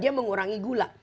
dia mengurangi gula